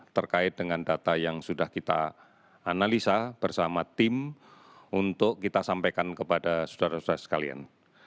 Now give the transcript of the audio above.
terkait dengan data yang sudah kita analisa bersama tim untuk kita sampaikan kepada saudara saudara sekalian